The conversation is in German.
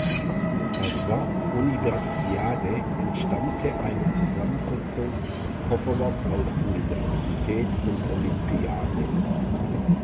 Das Wort "Universiade" entstammte einer Zusammensetzung (Kofferwort) aus Universität und Olympiade.